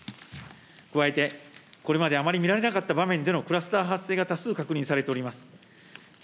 加えて、これまであまり見られなかった場面でのクラスター発生が、多数確認されております。